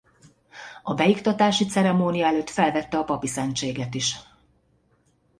A beiktatási ceremónia előtt felvette a papi szentséget is.